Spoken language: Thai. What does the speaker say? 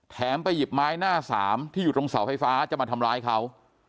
ไปหยิบไม้หน้าสามที่อยู่ตรงเสาไฟฟ้าจะมาทำร้ายเขา